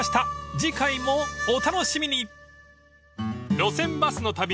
［次回もお楽しみに］